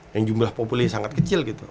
yang jumlah populernya sangat kecil gitu